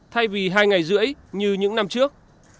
thay vì hai ngày rưỡi như những năm trước